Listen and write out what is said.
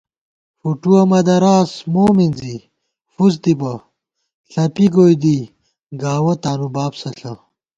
فوٹُوَہ مہ دراس مو مِنزی فُس دِبہ ݪَپی گوئی دی گاوَہ تانُو بابسہ ݪہ